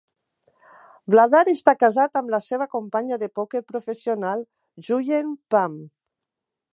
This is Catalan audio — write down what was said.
Vladar està casat amb la seva companya de pòquer professional Xuyen Pham.